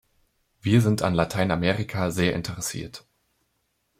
Wir sind an Lateinamerika sehr interessiert.